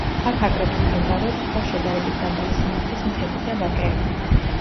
აქ აგრეთვე მდებარეობს სხვა შედარებით დაბალი სიმაღლის მთები და ვაკეები.